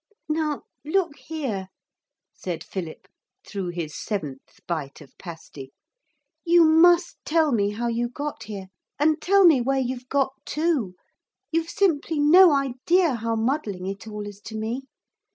'Now look here,' said Philip, through his seventh bite of pasty, 'you must tell me how you got here. And tell me where you've got to. You've simply no idea how muddling it all is to me.